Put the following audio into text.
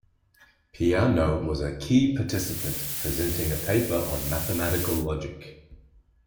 Peano was a key participant, presenting a paper on mathematical logic.